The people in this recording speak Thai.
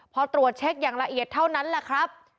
พอตรวจเช็คอย่างละเอียดเท่านั้นแหละครับ